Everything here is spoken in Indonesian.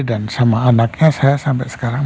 dan sama anaknya saya sampai sekarang